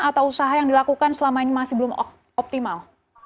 atau usaha yang dilakukan selama ini masih belum optimal